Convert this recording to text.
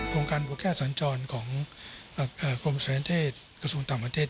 โครงการบุคคลสัญญาเทศกระทรวงต่างประเทศ